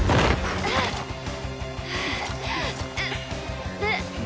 うっううっ。